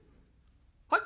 「はい？」。